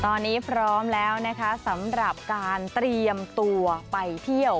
ตอนนี้พร้อมแล้วนะคะสำหรับการเตรียมตัวไปเที่ยว